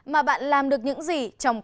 mà bạn làm được những gì